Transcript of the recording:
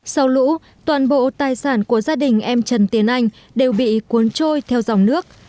sau lũ toàn bộ tài sản của gia đình em trần tiến anh đều bị cuốn trôi theo dòng nước